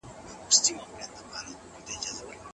د پیغمبر امر د هر مسلمان لپاره دی.